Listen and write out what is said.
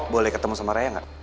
boleh ketemu sama raya nggak